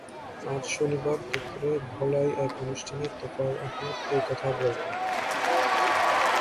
আজ শনিবার দুপুরে ভোলায় এক অনুষ্ঠানে তোফায়েল আহমেদ এ কথা বলেন।